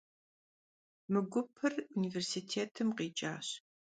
Mı gupır vunivêrsitêtım khiç'aş.